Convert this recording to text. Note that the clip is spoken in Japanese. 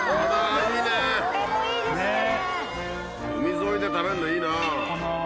海沿いで食べるのいいなぁ。